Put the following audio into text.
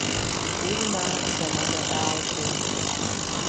Еимаа заманак аалхәеит.